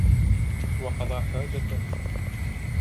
وَقَضَى حَاجَتَهُ